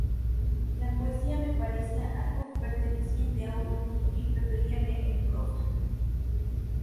La poesía me parecía algo perteneciente a otro mundo y prefería leer en prosa.